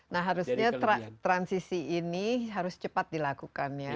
nah harusnya transisi ini harus cepat dilakukan ya